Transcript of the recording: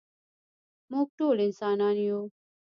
مونږ ټول انسانان يو.